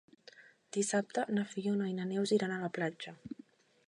Dissabte na Fiona i na Neus iran a la platja.